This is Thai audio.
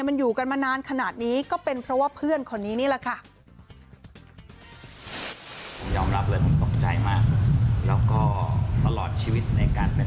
มันอยู่กันมานานขนาดนี้ก็เป็นเพราะว่าเพื่อนคนนี้นี่แหละค่ะ